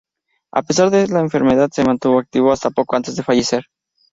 A pesar de la enfermedad, se mantuvo activo hasta poco antes de fallecer.